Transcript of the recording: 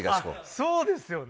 そうですよね。